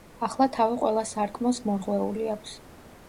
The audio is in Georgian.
ახლა თავი ყველა სარკმელს მორღვეული აქვს.